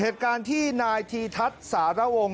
ที่นายทีทัศน์สาระวงค์